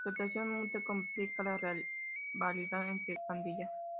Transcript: Su atracción mutua complica la rivalidad entre pandillas.